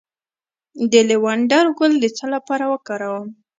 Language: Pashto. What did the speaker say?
د لیوانډر ګل د څه لپاره وکاروم؟